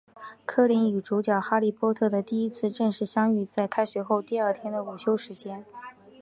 柯林与主角哈利波特的第一次正式相遇在开学后第二天的午休时间。